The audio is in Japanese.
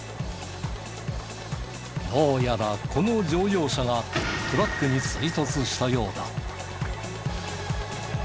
どうやらこの乗用車がトラックに追突したようだ。